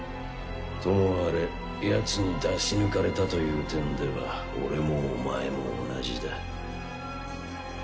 ともあれヤツに出し抜かれたという点では俺もお前も同じだ。